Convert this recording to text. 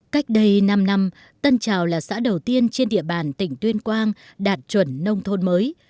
cách đây năm năm tân trào là xã đầu tiên trên địa bàn tỉnh tuyên quang đạt chuẩn nông thôn mới